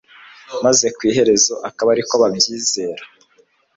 maze ku iherezo bakaba ariko babyizera.